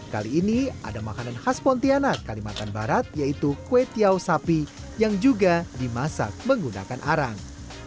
kali ini ada makanan khas pontianak kalimantan barat yaitu kue tiau sapi yang juga dimasak menggunakan arang